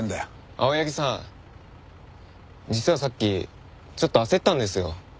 青柳さん実はさっきちょっと焦ったんですよ。